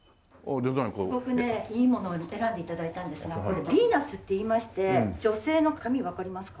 すごくねいいものを選んで頂いたんですがこれビーナスっていいまして女性の髪わかりますか？